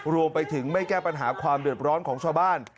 รวมไปถึงไม่แก้ปัญหาความเดือดร้อนของชาวบ้าน